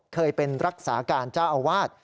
เคยเป็นรักษาการเจ้าอาวาส